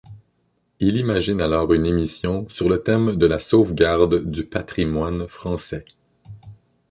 Il imagine alors une émission sur le thème de la sauvegarde du patrimoine français.